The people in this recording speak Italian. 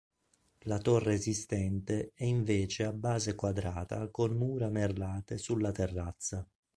La torre esistente è invece a base quadrata con mura merlate sulla terrazza.